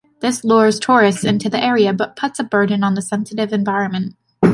This lures tourists into the area but puts a burden on the sensitive environment.